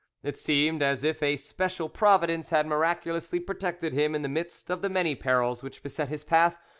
It seemed as if a special providence had miraculously protected him in the midst of the many perils which beset his path.